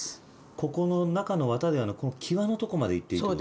ここの中のわたではなくこの際のとこまでいっていいってこと。